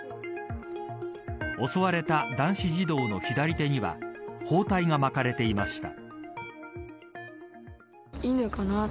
襲われた男子児童の左手には包帯が巻かれていました。